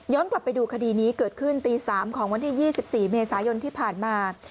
กลับไปดูคดีนี้เกิดขึ้นตี๓ของวันที่๒๔เมษายนที่ผ่านมา